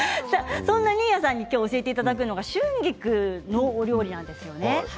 そんな新谷さんに教えていただくのが春菊のお料理なんですよね。